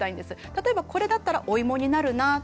例えばこれだったらお芋になるなとか